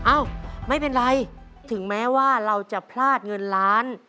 เอ้าไม่เป็นไรถึงแม้ว่าเราจะพลาดเงินล้าน